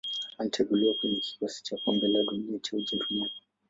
Alichaguliwa kwenye kikosi cha Kombe la Dunia cha Ujerumani.